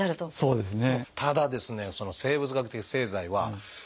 そうですね。